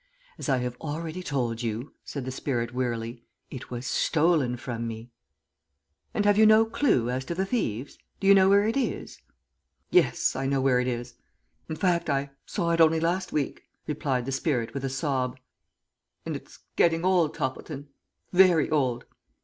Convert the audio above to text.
"As I have already told you," said the spirit, wearily, "it was stolen from me." "And have you no clue to the thieves? Do you know where it is?" "Yes, I know where it is. In fact I saw it only last week," replied the spirit with a sob, "and it's getting old, Toppleton, very old.